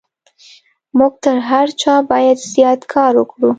موږ تر هر چا بايد زيات کار وکړو.